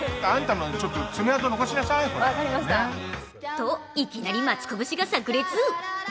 と、いきなりマツコ節がさく裂。